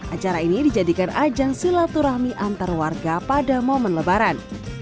acara ini dijadikan ajang silaturahmi antar warga pada momen lebaran